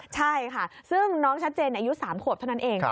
ใช่ค่ะซึ่งน้องชัดเจนอายุ๓ขวบเท่านั้นเอง